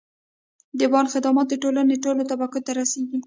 د بانک خدمات د ټولنې ټولو طبقو ته رسیږي.